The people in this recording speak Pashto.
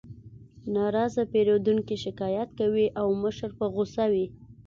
ناراضه پیرودونکي شکایت کوي او مشر په غوسه وي